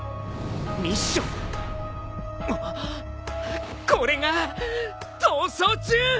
あっこれが逃走中！